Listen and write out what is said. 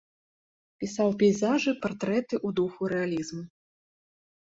Пісаў пейзажы, партрэты ў духу рэалізму.